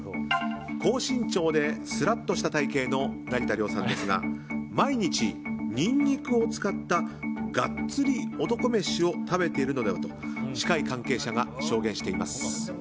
高身長ですらっとした体形の成田凌さんですが毎日、ニンニクを使ったガッツリ男飯を食べているのではと近い関係者が証言しています。